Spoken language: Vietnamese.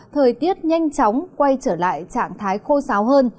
thời tiết nhanh chóng quay trở lại trạng thái khô sáo hơn